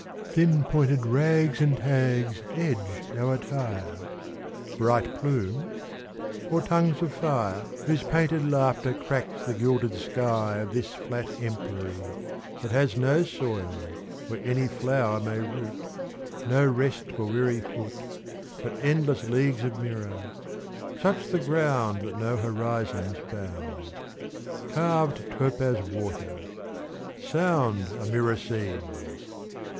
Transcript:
Thin pointed rags and tags edge our attire. ... Bright plumes ?.... or tongues of tire 38 Gaiety. Whose painted laughter cracks the gilded sky Of this flat empery That has no soil where any flower may root, No rest for weary foot, But endless leagues of mirror : such the ground That no horizons bound, — Carved topaz water ;— sound a mirror seems